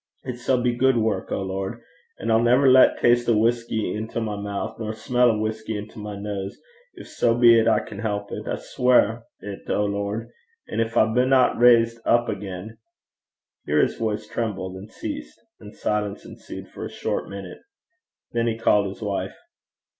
It sall be gude wark, O Lord. An' I'll never lat taste o' whusky intil my mou' nor smell o' whusky intil my nose, gin sae be 'at I can help it I sweir 't, O Lord. An' gin I binna raised up again ' Here his voice trembled and ceased, and silence endured for a short minute. Then he called his wife.